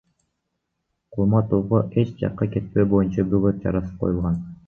Кулматовго эч жакка кетпөө боюнча бөгөт чарасы коюлган.